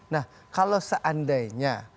nah kalau seandainya